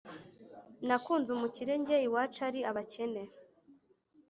nakunze umukire njye iwacu ari abakene…